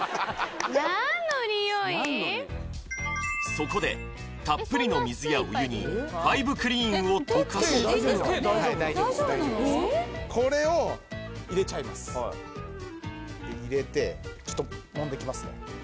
そこでたっぷりの水やお湯にファイブクリーンを溶かしこれを入れちゃいます入れてちょっともんでいきますね